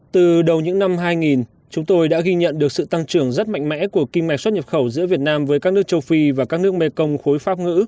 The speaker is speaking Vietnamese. từ đầu những năm hai nghìn chúng tôi đã ghi nhận được sự tăng trưởng rất mạnh mẽ của kim mạch xuất nhập khẩu giữa việt nam với các nước châu phi và các nước mekong khối pháp ngữ